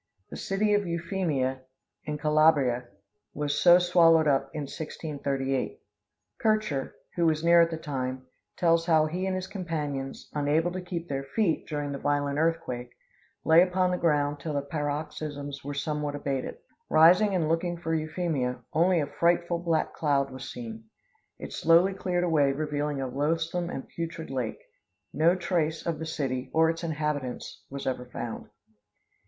The city of Euphemia, in Calabria, was so swallowed up in 1638. Kircher, who was near at the time, tells how he and his companions, unable to keep their feet, during the violent earthquake, lay upon the ground till the paroxysms were somewhat abated. Rising and looking for Euphemia, only a frightful black cloud was seen. It slowly cleared away revealing a loathsome and putrid lake. No trace of the city or its inhabitants was ever found.